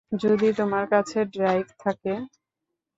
যদি তোমার কাছে ড্রাইভ থাকে।